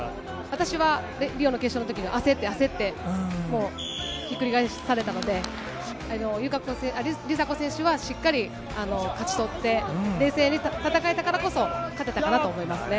私はリオの決勝のときに焦って焦って、もうひっくり返されたので、梨紗子選手はしっかり勝ち取って、冷静に戦えたからこそ、勝てたかなと思いますね。